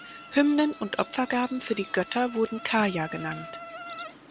Hymnen und Opfergaben für die Götter wurden "Kaya" genannt.